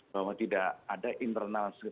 bahwa tidak ada internal